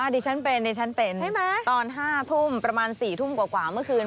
ดิฉันเป็นตอน๕ทุ่มประมาณ๔ทุ่มกว่าเมื่อคืน